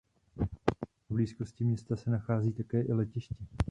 V blízkosti města se nachází také i letiště.